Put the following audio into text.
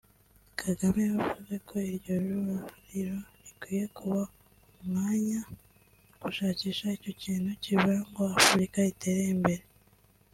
Kagame yavuze ko iryo ruriro rikwiye kuba umwanya wo gushakisha icyo kintu kibura ngo Afurika itere imbere